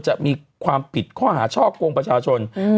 จะมีความผิดข้อหาช่อกงประชาชน